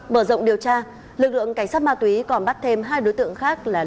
mở rộng điều tra lực lượng cảnh sát ma túy còn bắt thêm hai đối tượng khác là